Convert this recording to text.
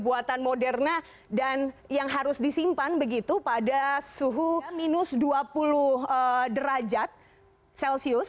buatan moderna dan yang harus disimpan begitu pada suhu minus dua puluh derajat celcius